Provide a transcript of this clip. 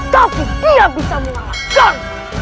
tapi dia bisa mengalahkan